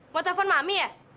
mau telepon mami ya